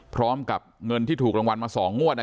พร้อมกับเงินที่ถูกรางวัลมา๒งวด